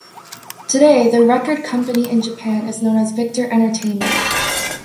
Today the record company in Japan is known as Victor Entertainment.